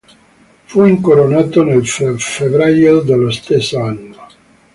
Fu incoronato nel febbraio dello stesso anno.